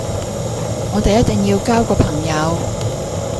我哋一定要交個朋友